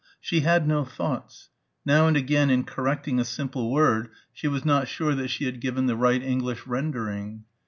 She had no thoughts. Now and again in correcting a simple word she was not sure that she had given the right English rendering.